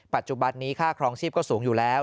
ปัจจุบันนี้ค่าครองชีพก็สูงอยู่แล้ว